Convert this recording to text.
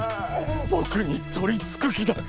僕に取り憑く気だッ！